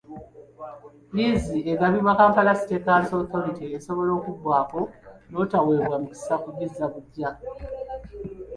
Liizi egabibwa Kampala Capital City Authority esobola okuggwako n'otaweebwa mukisa kugizza buggya.